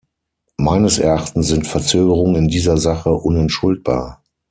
Meines Erachtens sind Verzögerungen in dieser Sache unentschuldbar.